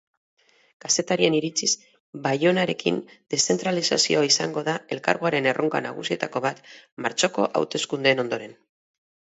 Kazetarien iritziz baionarekin deszentralizazioa izango da elkargoaren erronka nagusietako bat martxoko hauteskundeen ondoren.